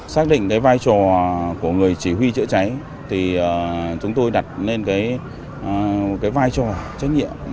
xác định cái vai trò của người chỉ huy chữa cháy thì chúng tôi đặt lên cái vai trò trách nhiệm